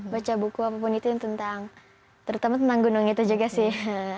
baca buku apapun itu yang tentang terutama tentang gunung itu juga sih